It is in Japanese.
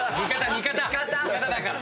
味方だから。